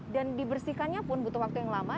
dan dibersihkannya pun butuh waktu yang lama